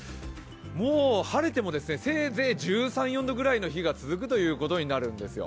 もう晴れても、せいぜい１３１４度ぐらいの日が続くことになるんですよ。